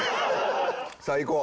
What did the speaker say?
さあいこう。